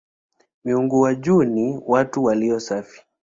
Miungu wa juu ni "watatu walio safi".